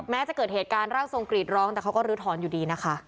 จะเกิดเหตุการณ์ร่างทรงกรีดร้องแต่เขาก็ลื้อถอนอยู่ดีนะคะ